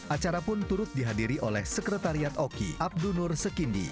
acara pun turut dihadiri oleh sekretariat oki abdunur sekindi